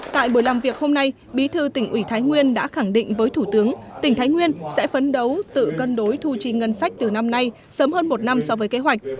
tại buổi làm việc hôm nay bí thư tỉnh ủy thái nguyên đã khẳng định với thủ tướng tỉnh thái nguyên sẽ phấn đấu tự cân đối thu chi ngân sách từ năm nay sớm hơn một năm so với kế hoạch